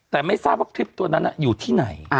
แต่ไม่ทราบว่าคลิปตัวนั้นอยู่ที่ไหน